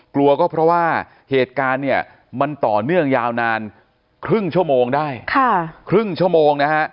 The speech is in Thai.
กลัวก็เพราะว่าเหตุการณ์เนี่ยมันต่อเนื่องยาวนานครึ่งชั่วโมงได้ครึ่งชั่วโมงนะฮะ